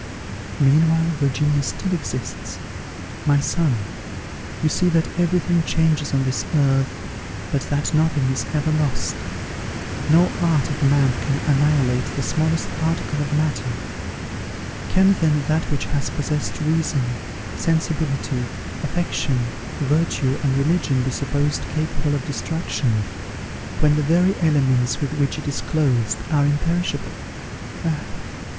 "Meanwhile Virginia still exists. My son, you see that every thing changes on this earth, but that nothing is ever lost. No art of man can annihilate the smallest particle of matter; can, then, that which has possessed reason, sensibility, affection, virtue, and religion be supposed capable of destruction, when the very elements with which it is clothed are imperishable? Ah!